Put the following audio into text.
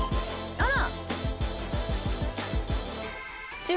あら。